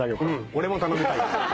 俺も頼みたいから。